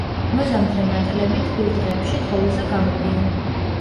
მოზამთრე მატლები თბილ დღეებში თოვლზე გამოდიან.